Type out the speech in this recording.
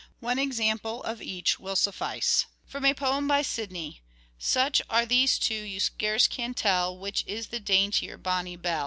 One example of each will suffice. From a poem by Sidney :" Such are these two, you scarce can tell Which is the dainter bonny belle."